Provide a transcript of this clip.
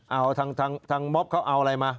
เอาทางม็อบเขาเอาอะไรมา